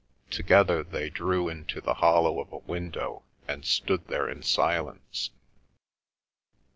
Together they drew into the hollow of a window, and stood there in silence.